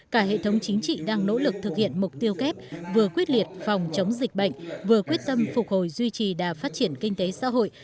cả hệ thống chính trị đang nỗ lực thực hiện mục tiêu kép vừa quyết liệt phòng chống dịch bệnh vừa quyết tâm phục hồi duy trì đà phát triển kinh tế xã hội